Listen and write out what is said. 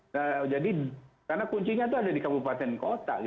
karena kuncinya itu ada di kabupaten dan kota